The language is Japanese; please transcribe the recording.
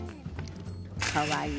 かわいい。